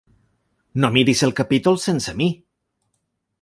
No miris el capítol sense mi!